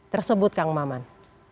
tersebut kang maman